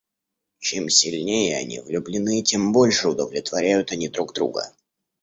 Чем сильнее они влюблены, тем больше удовлетворяют они друг друга.